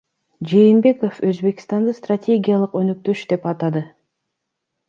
Жээнбеков Өзбекстанды стратегиялык өнөктөш деп атады